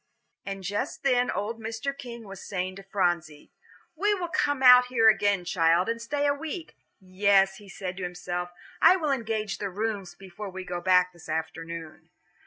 And just then old Mr. King was saying to Phronsie, "We will come out here again, child, and stay a week. Yes," he said to himself, "I will engage the rooms before we go back this afternoon."